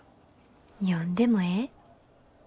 読んでもええ？